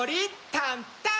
タンターン！